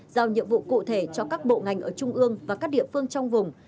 giao nhiệm vụ cụ thể cho các bộ ngành ở trung ương và các địa phương trong vùng